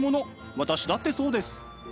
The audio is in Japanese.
私だってそうです。